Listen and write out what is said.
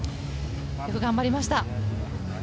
よく頑張りました。